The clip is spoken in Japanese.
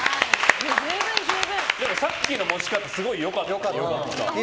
さっきの持ち方すごい良かった。